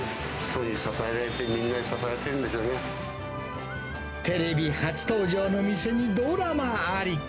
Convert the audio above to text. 人に支えられて、みんなに支えらテレビ初登場の店にドラマあり。